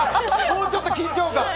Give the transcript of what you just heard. もうちょっと緊張感！